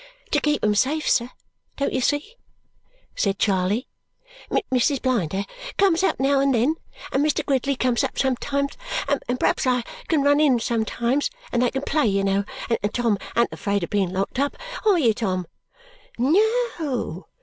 "To keep 'em safe, sir, don't you see?" said Charley. "Mrs. Blinder comes up now and then, and Mr. Gridley comes up sometimes, and perhaps I can run in sometimes, and they can play you know, and Tom an't afraid of being locked up, are you, Tom?" "No o!"